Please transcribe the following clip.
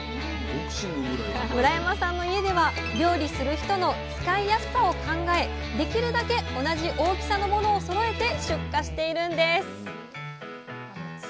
村山さんの家では料理する人の使いやすさを考えできるだけ同じ大きさのものをそろえて出荷しているんです